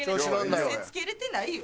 見せ付けれてないよ。